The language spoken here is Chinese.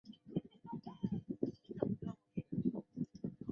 阿伯表示阿三在睡觉